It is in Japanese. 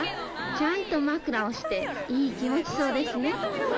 ちゃんと枕をして、いい気持ちそうですね。